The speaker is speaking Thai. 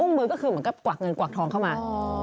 อุ้งมือมันก็คือเกลือกเงินเกลือกทองเข้ามา